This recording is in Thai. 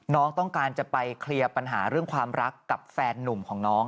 น้องต้องการจะไปเคลียร์ปัญหาเรื่องความรักกับแฟนนุ่มของน้อง